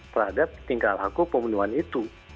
terhadap tingkah laku pemenuhan itu